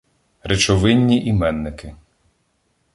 Речовинні іменники